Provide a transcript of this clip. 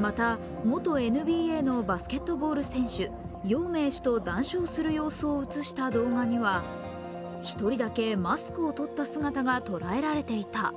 また、元ＮＢＡのバスケットボール選手、姚明氏と談笑する様子を映した動画には１人だけマスクを取った姿がとらえられていた。